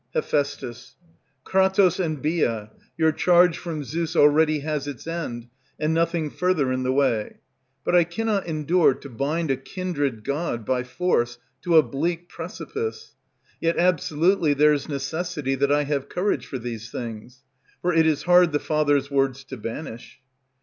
Heph. Kratos and Bia, your charge from Zeus Already has its end, and nothing further in the way; But I cannot endure to bind A kindred god by force to a bleak precipice, Yet absolutely there's necessity that I have courage for these things; For it is hard the Father's words to banish.